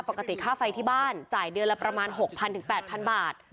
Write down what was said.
ค่าไฟที่บ้านจ่ายเดือนละประมาณ๖๐๐๘๐๐บาท